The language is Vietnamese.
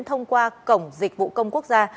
thông qua cổng dịch vụ công quốc gia